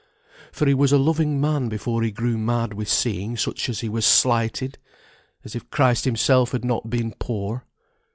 For he was a loving man before he grew mad with seeing such as he was slighted, as if Christ Himself had not been poor.